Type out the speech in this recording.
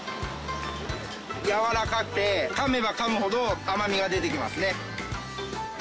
やわらかくて噛めば噛むほど甘みが出てきますね。